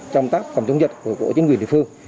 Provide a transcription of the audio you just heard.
trong tác phòng chống dịch của chính quyền địa phương